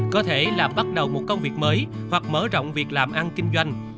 có thể là bắt đầu một công việc mới hoặc mở rộng việc làm ăn kinh doanh